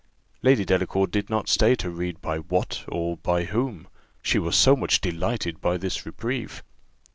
Lady Delacour did not stay to read by what, or by whom, she was so much delighted by this reprieve.